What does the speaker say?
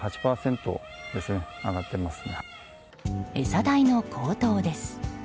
餌代の高騰です。